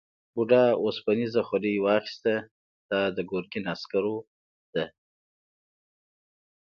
بوډا اوسپنيزه خولۍ واخیسته دا د ګرګین عسکرو ده.